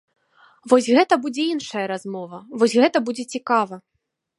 Вось гэта будзе іншая размова, вось гэта будзе цікава.